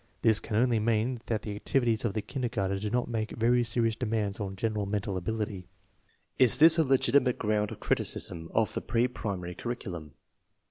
This can only mean that the activities of the kindergarten do not make very serious demands on general mental ability. Is this a legitimate ground of criticism of the pre primary curriculum?